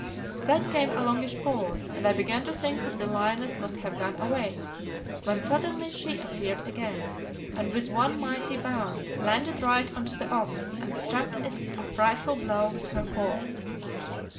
"Then came a longish pause, and I began to think that the lioness must have gone away, when suddenly she appeared again, and with one mighty bound landed right on to the ox, and struck it a frightful blow with her paw.